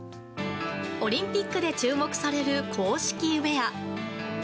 オリンピックで注目される公式ウエア。